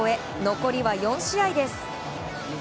残りは４試合です。